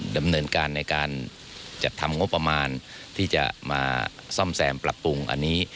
ดำเนินการในการจัดทำงบประมาณที่จะมาซ่อมแซมปรับปรุงอันนี้